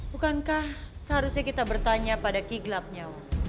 bukankah seharusnya kita bertanya pada ki gelap nyawa